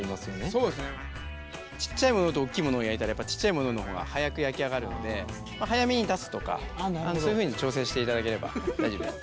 そうですねちっちゃいものとおっきいものを焼いたらやっぱりちっちゃいものの方が早く焼き上がるので早めに出すとかそういうふうに調整していただければ大丈夫です。